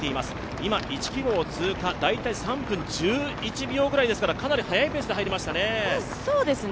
今、１ｋｍを通過、大体３分１１秒ぐらいですからかなり速いペースで入りましたね。